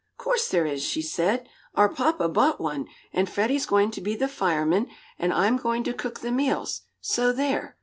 "'Course there is," she said. "Our papa bought one, and Freddie's going to be the fireman, and I'm going to cook the meals, so there!